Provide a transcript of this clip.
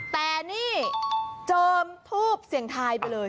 แต่นี่เจิมทูปเสียงทายไปเลย